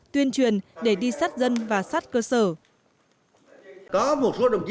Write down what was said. tuyên truyền để đi sát dân và sát cơ sở